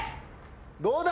どうだ？